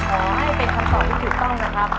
ขอให้เป็นคำตอบที่ถูกต้องนะครับ